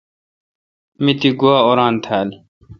می تی گوا اُوران تھال۔